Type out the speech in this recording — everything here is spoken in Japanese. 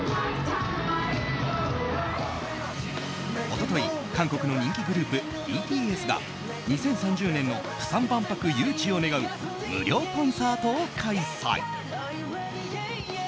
一昨日、韓国の人気グループＢＴＳが２０３０年の釜山万博誘致を願う無料コンサートを開催。